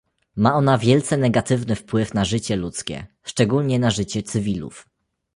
Ma ona wielce negatywny wpływ na życie ludzkie, szczególnie na życie cywilów